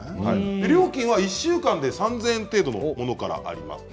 料金は１週間で３０００円程度のものからあります。